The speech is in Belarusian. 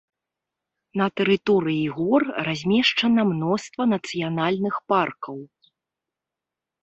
На тэрыторыі гор размешчана мноства нацыянальных паркаў.